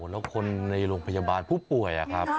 แล้วคนในโรงพยาบาลผู้ป่วยครับ